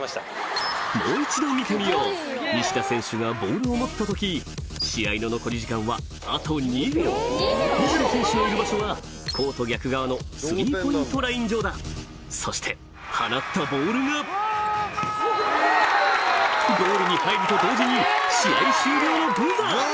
もう一度見てみよう西田選手がボールを持った時試合の残り時間はあと２秒西田選手のいる場所はコート逆側の３ポイントライン上だそして放ったボールがゴールに入ると同時に試合終了のブザー！